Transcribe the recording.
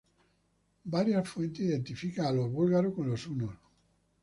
Varias fuentes identifican a los búlgaros con los hunos.